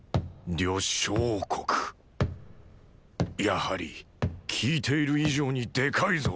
やはり聞いている以上にでかいぞ